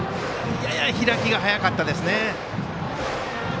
やや開きが早かったですね。